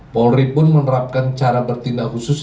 polri pun menerapkan cara bertindak khusus